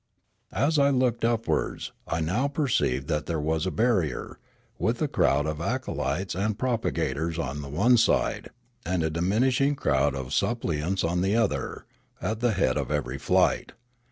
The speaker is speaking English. As I looked upwards I now perceived that there was a barrier, with a crowd of acolytes and propagators on the one side and a diminishing crowd of suppliants on the other, at the head of every flight.